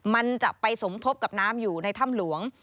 มันจะไปสมทบกับน้ำอยู่ในถ้ำหลวง